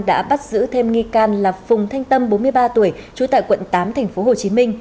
đã bắt giữ thêm nghi can là phùng thanh tâm bốn mươi ba tuổi trú tại quận tám tp hcm